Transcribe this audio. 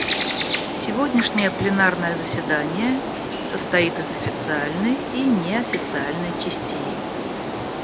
Сегодняшнее пленарное заседание состоит из официальной и неофициальной частей.